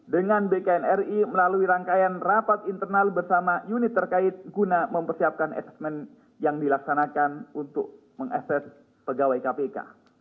dengan bknri melalui rangkaian rapat internal bersama unit terkait guna mempersiapkan asesmen yang dilaksanakan untuk mengakses pegawai kpk